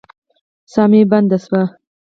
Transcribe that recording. ساه مې بنده شوه.